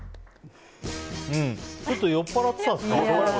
ちょっと酔っぱらっていたんですか。